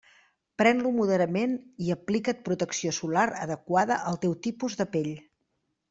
Pren-lo moderadament i aplica't protecció solar adequada al teu tipus de pell.